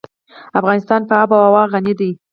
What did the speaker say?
افغانستان په آب وهوا غني دی.